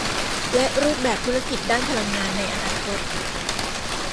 และรูปแบบธุรกิจด้านพลังงานในอนาคต